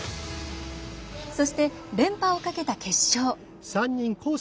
そして、連覇をかけた決勝。